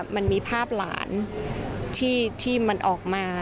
มันมีภาพหลานที่มันออกมา